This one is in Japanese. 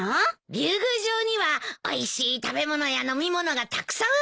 竜宮城にはおいしい食べ物や飲み物がたくさんあるじゃないか。